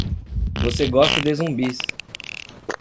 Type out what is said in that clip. Você gosta de zumbis.